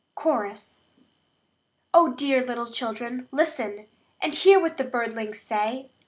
Chorus. Oh, dear little children, listen, And hear what the birdlings say!